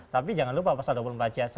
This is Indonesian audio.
tapi jangan lupa pasal dua puluh empat c satu